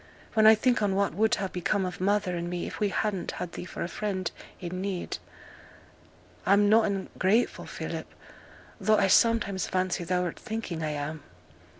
When I think on what would ha' become of mother and me if we hadn't had thee for a friend i' need, I'm noane ungrateful, Philip; tho' I sometimes fancy thou'rt thinking I am.'